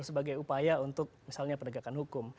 sebagai upaya untuk misalnya penegakan hukum